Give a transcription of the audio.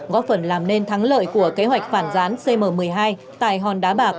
góp phần làm nên thắng lợi của kế hoạch phản gián cm một mươi hai tại hòn đá bạc